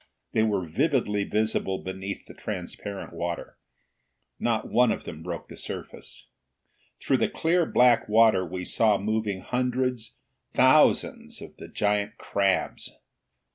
They were vividly visible beneath the transparent water. Not one of them broke the surface. Through the clear black water we saw moving hundreds, thousands of the giant crabs.